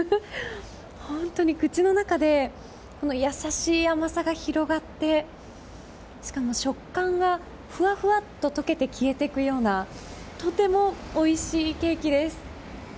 本当に口の中で優しい甘さが広がってしかも食感がふわふわと溶けて消えていくようなとてもおいしいケーキです。